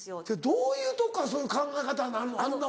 どういうとこからそういう考え方になるのあんな